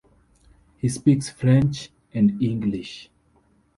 He speaks French and English.